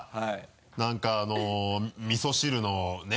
何かあのみそ汁のね。